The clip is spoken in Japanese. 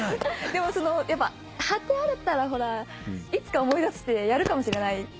でもそのやっぱ張ってあったらほらいつか思い出してやるかもしれない。